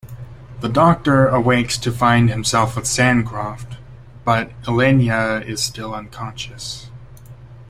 The Doctor awakes to find himself with Sancroft, but Elenya is still unconscious.